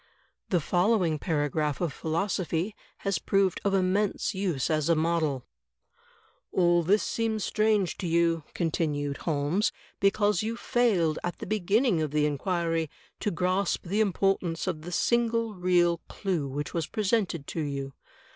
The following paragraph of philosophy has proved of immense use as a model: "All this seems strange to you," continued Holmes, "because you failed at the beginning of the inquiry to grasp the importance of the single real clew which was presented to you.